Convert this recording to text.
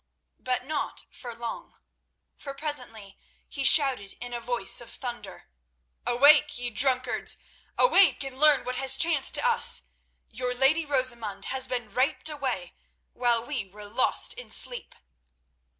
But not for long, for presently he shouted in a voice of thunder: "Awake, ye drunkards! Awake, and learn what has chanced to us. Your lady Rosamund has been raped away while we were lost in sleep!"